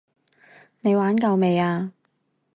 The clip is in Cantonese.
你玩夠未啊？